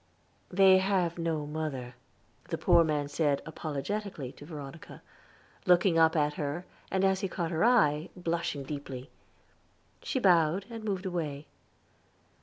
"They have no mother," the poor man said apologetically to Veronica, looking up at her, and, as he caught her eye, blushing deeply. She bowed, and moved away.